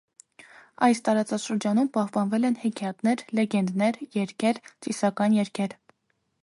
Այս տարածաշրջանում պահպանվել են հեքիաթներ, լեգենդներ, երգեր, ծիսական երգեր։